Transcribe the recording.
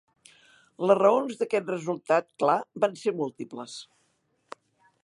Les raons d'aquest resultat clar van ser múltiples.